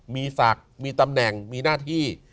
มีศักดิ์มีตำแหน่งมีหน้าที่